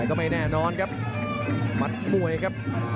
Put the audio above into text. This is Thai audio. ก็ไม่แน่นอนครับมัดมวยครับ